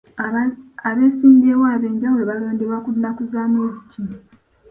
Abeesimbyewo ab'enjawulo balondebwa ku nnaku za mwezi ki?